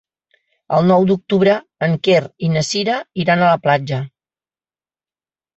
El nou d'octubre en Quer i na Cira iran a la platja.